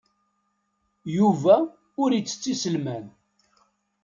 Yuba ur ittett iselman.